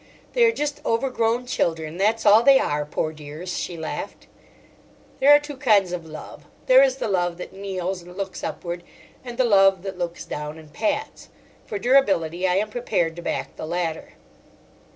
"They are just overgrown children, that's all they are, poor dears," she laughed. There are two kinds of love: there is the love that kneels and looks upward, and the love that looks down and pats. For durability I am prepared to back the latter.